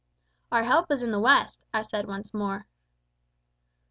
_ Our help is in the West, I said once more.